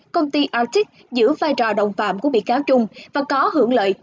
công ty arctic giữ vai trò đồng phạm của bị cáo trung và có hưởng lợi